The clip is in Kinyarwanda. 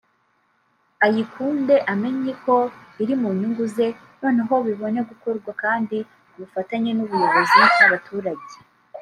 ayikunde amenye ko iri mu nyungu ze noneho bibone gukorwa kandi ku bufatanye bw’ubuyobozi n’abaturage